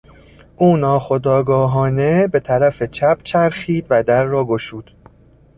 او ناخودآگاهانه به طرف چپ چرخید و در را گشود.